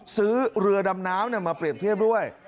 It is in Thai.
ซื้อเรือดำน้ำมาเปรียบเทียบด้วย